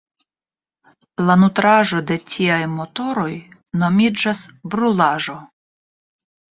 La nutraĵo de tiaj motoroj nomiĝas "brulaĵo".